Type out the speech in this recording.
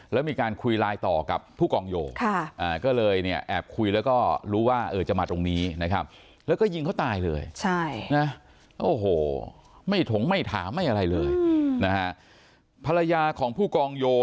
แล้วมีการคุยไลน์ต่อกับผู้กองโย